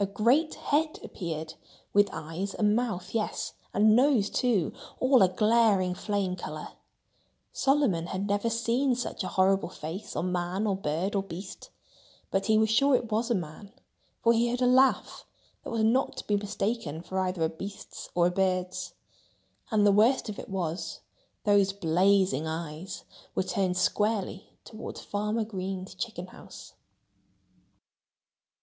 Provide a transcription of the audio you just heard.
A great head appeared, with eyes and mouth—yes! and nose, too—all a glaring flame color. Solomon had never seen such a horrible face on man or bird or beast. But he was sure it was a man, for he heard a laugh that was not to be mistaken for either a beast's or a bird's. And the worst of it was, those blazing eyes were turned squarely toward Farmer Green's chicken house!